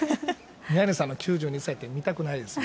宮根さんの９２歳って見たくないですね。